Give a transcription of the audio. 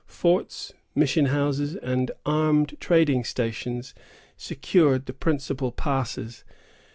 Forts, mission houses, and armed trading stations secured the principal passes.